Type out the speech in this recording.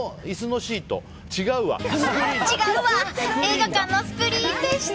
映画館のスクリーンでした。